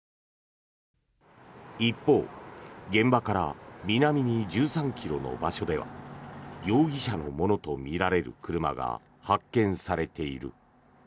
一方現場から南に１３ｋｍの場所では容疑者のものとみられる車が発見されている。